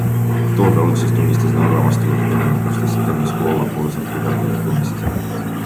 Oktoobri alguses tunnistas Norra vastuluure, et Venemaa kasutas septembris Koola poolsaarel tugevaid elektroonilisi segajaid.